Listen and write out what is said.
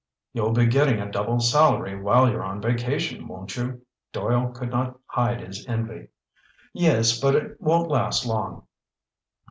"You'll be getting a double salary while you're on vacation, won't you?" Doyle could not hide his envy. "Yes, but it won't last long."